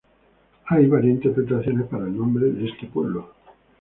Hay varias interpretaciones para el nombre de este pueblo.